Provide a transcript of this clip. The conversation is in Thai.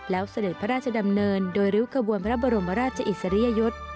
แล้วเสด็จพระราชดำเนินโดยริ้วขบวนพระบรมราชอิสริยยศ